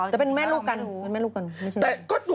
แต่เป็นแม่ลูกกัน